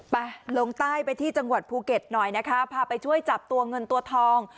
ไปลงใต้ไปที่จังหวัดภูเก็ตหน่อยนะคะพาไปช่วยจับตัวเงินตัวทอง